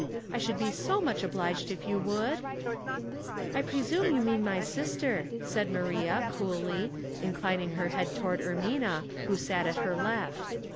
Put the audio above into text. I should be so much obliged if you would." " I presume you mean m}' sister," said Maria, coolly, inclinhig her head toward Ermina, who sat at her left.